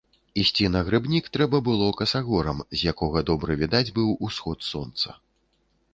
Ісці на грыбнік трэба было касагорам, з якога добра відаць быў усход сонца.